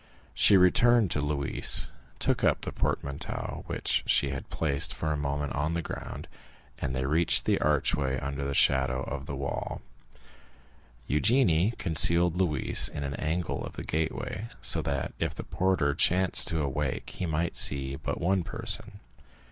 She returned to Louise, took up the portmanteau, which she had placed for a moment on the ground, and they reached the archway under the shadow of the wall. Eugénie concealed Louise in an angle of the gateway, so that if the porter chanced to awake he might see but one person.